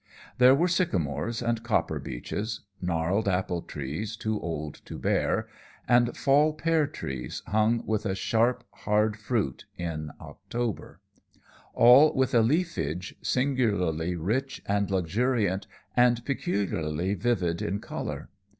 There were sycamores and copper beeches; gnarled apple trees, too old to bear; and fall pear trees, hung with a sharp, hard fruit in October; all with a leafage singularly rich and luxuriant, and peculiarly vivid in color.